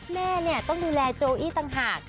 แม่เนี่ยต้องดูแลโจอี้ต่างหาก